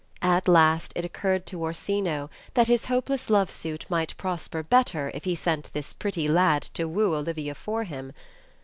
At last it oc curred to Orsino that his hopeless love suit might prosper better if he sent this pretty lad to woo Olivia for him.